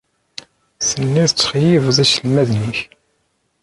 Telliḍ tettxeyyibeḍ iselmaden-nnek.